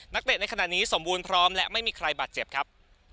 เตะในขณะนี้สมบูรณ์พร้อมและไม่มีใครบาดเจ็บครับ